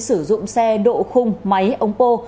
sử dụng xe độ khung máy ống pô